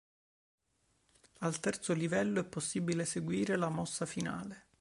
Al terzo livello è possibile eseguire la mossa finale.